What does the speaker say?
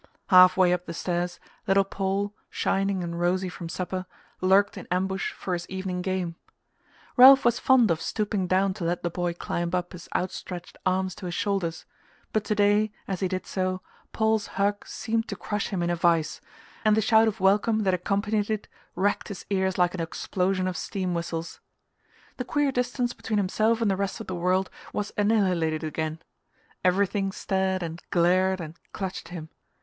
Half way up the stairs little Paul, shining and rosy from supper, lurked in ambush for his evening game. Ralph was fond of stooping down to let the boy climb up his outstretched arms to his shoulders, but to day, as he did so, Paul's hug seemed to crush him in a vice, and the shout of welcome that accompanied it racked his ears like an explosion of steam whistles. The queer distance between himself and the rest of the world was annihilated again: everything stared and glared and clutched him.